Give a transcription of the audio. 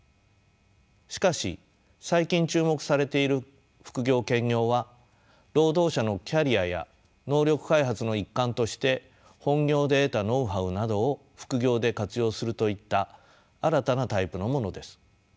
しかし最近注目されている副業・兼業は労働者のキャリアや能力開発の一環として本業で得たノウハウなどを副業で活用するといった新たなタイプのものです。